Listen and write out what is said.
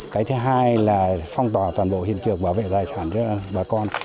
cái thứ hai là phong tỏa toàn bộ hiện trường bảo vệ tài sản cho bà con